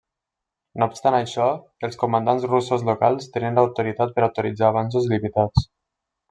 No obstant això, els comandants russos locals tenien l'autoritat per autoritzar avanços limitats.